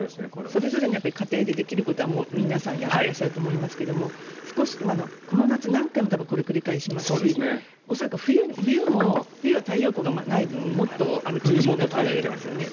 それぞれの家庭でできることは皆さんやっていらっしゃると思いますがこの夏何回もこれを繰り返しますし恐らく冬は、太陽光がない分もっと厳しくなりますよね。